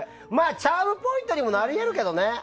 チャームポイントにもなり得るけどね。